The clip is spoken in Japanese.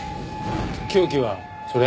凶器はそれ？